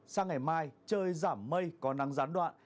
sang ngày mai trời giảm mây có nắng gián đoạn